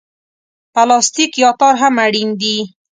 پلاستیک یا تار هم اړین دي.